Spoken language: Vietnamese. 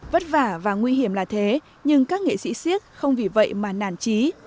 vất vả và nguy hiểm là thế nhưng các nghệ sĩ siếc không vì vậy mà nản trí